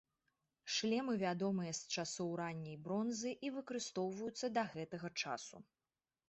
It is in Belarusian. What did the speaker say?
Шлемы вядомыя з часоў ранняй бронзы і выкарыстоўваюцца да гэтага часу.